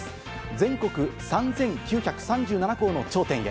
全国３９３７校の頂点へ。